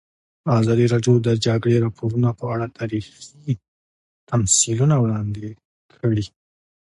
ازادي راډیو د د جګړې راپورونه په اړه تاریخي تمثیلونه وړاندې کړي.